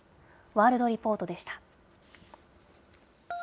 ワールドリポートでした。